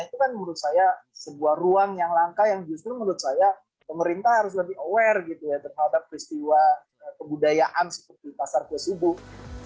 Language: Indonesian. itu kan menurut saya sebuah ruang yang langka yang justru menurut saya pemerintah harus lebih aware gitu ya terhadap peristiwa kebudayaan seperti pasar kue subuh